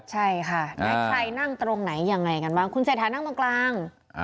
ใช่ค่ะแล้วใครนั่งตรงไหนยังไงกันบ้างคุณเศรษฐานั่งตรงกลาง